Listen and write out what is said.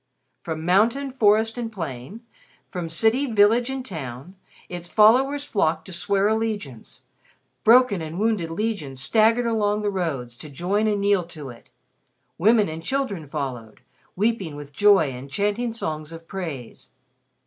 From mountain, forest and plain, from city, village and town, its followers flocked to swear allegiance; broken and wounded legions staggered along the roads to join and kneel to it; women and children followed, weeping with joy and chanting songs of praise.